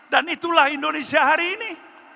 dan itulah indonesia hari ini